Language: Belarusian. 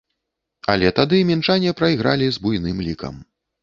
Але тады мінчане прайгралі з буйным лікам.